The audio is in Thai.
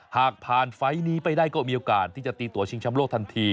หากผ่านไฟล์นี้ไปได้ก็มีโอกาสที่จะตีตัวชิงชำโลกทันที